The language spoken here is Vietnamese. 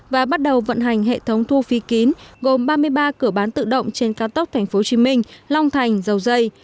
và bắt đầu vận hành hệ thống thu phí kín gồm ba mươi ba cửa bán tự động trên cao tốc tp hcm long thành dầu dây